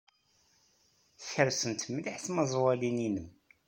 Kersent mliḥ tmaẓwalin-nwen.